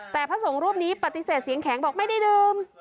แต่พระสงฆ์รูปนี้ปฏิเสธเสียงแข็งบอกไม่ได้ดื่ม